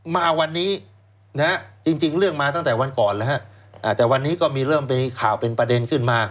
มาวันนี้นะฮะจริงเรื่องมาตั้งแต่วันก่อนแล้วฮะแต่วันนี้ก็มีเริ่มเป็นข่าวเป็นประเด็นขึ้นมา